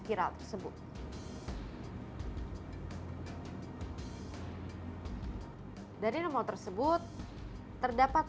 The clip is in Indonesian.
saya akan mencoba aplikasi getcontact dan saya akan memasukkan salah satu nomor yang ada di kabel